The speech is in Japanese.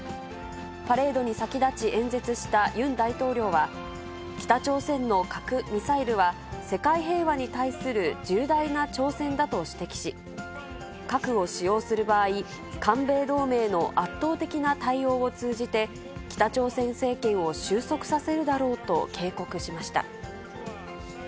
パレードに先立ち、演説したユン大統領は、北朝鮮の核・ミサイルは世界平和に対する重大な挑戦だと指摘し、核を使用する場合、韓米同盟の圧倒的な対応を通じて、北朝鮮政権を終息させるだろうと警告しました。